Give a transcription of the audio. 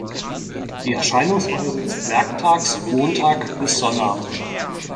Die Erscheinungsweise ist werktags Montag bis Sonnabend.